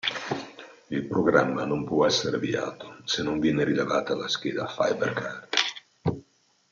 Il programma non può essere avviato se non viene rilevata la scheda Fiber Card.